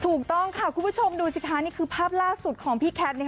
ถูกต้องค่ะคุณผู้ชมดูสิคะนี่คือภาพล่าสุดของพี่แคท